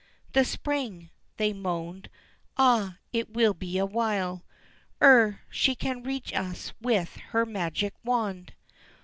"The spring," they moaned, "Ah, it will be a while Ere she can reach us with her magic wand!"